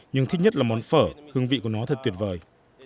nhưng thích nhất là món phở hương vị của nó thật tuyệt vời